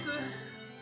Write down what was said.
え。